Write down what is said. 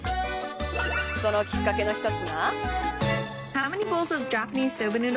そのきっかけの一つが。